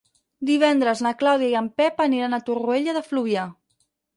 Divendres na Clàudia i en Pep aniran a Torroella de Fluvià.